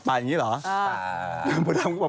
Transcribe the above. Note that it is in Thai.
อย่างนี้เหรอ